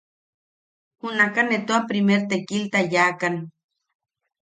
Junaka ne tua primer tekilta yaʼakan;.